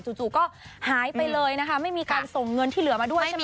จู่ก็หายไปเลยนะคะไม่มีการส่งเงินที่เหลือมาด้วยใช่ไหม